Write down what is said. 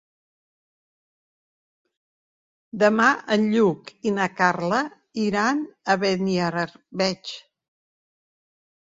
Demà en Lluc i na Carla iran a Beniarbeig.